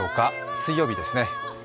水曜日ですね。